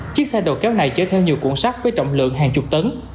chiếc xe đồ kéo này chở theo nhiều cuộn sắt với trọng lượng hàng chục tấn